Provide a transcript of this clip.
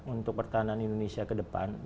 untuk pertahanan indonesia kedepan